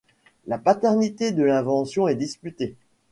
La paternité de l'invention est disputée.